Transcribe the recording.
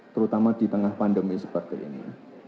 terutama di tengah pandemi seperti ini